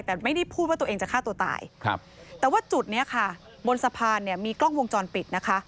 แต่ไม่ได้พูดว่าตัวเองจะฆ่าตัวตายครับแต่ว่าจุดนี้ค่ะบนสะพานเนี่ยมีกล้องวงจรปิดนะคะ